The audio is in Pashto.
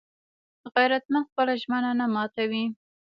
غیرتمند خپله ژمنه نه ماتوي